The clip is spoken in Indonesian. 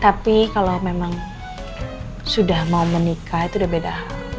tapi kalau memang sudah mau menikah itu udah beda